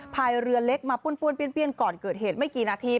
พายเรือเล็กมาป้วนเปี้ยนก่อนเกิดเหตุไม่กี่นาที